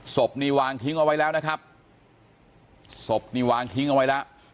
ศพนี่วางทิ้งเอาไว้แล้วนะครับศพนี่วางทิ้งเอาไว้แล้ว